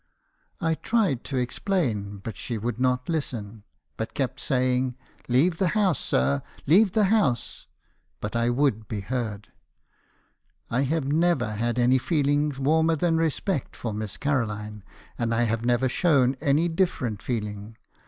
I tried to explain; but she would not listen, but kept saying, 'Leave the house, sir; leave the house !' But I would be heard. " 'I have never had any feeling wanner than respect for Miss Caroline, and I have never shown any different feeling.